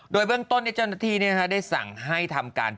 โดยเรื่องต้นเจ้าหน้าทีเนี่ยนะครับได้สั่งให้ทำการ